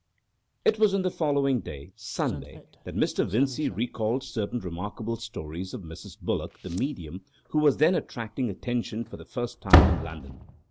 It was on the following day, Sunday, that Mr. Vincey recalled certain remarkable stories of Mrs. Bullock, the medium, who was then attracting attention for the first time in London.